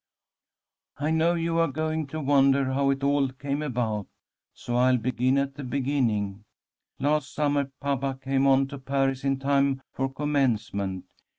"'I know you are going to wonder how it all came about, so I'll begin at the beginning. Last summer papa came on to Paris in time for Commencement.